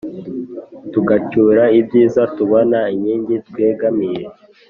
Tugacyura ibyiza, tubona inkingi twegamiye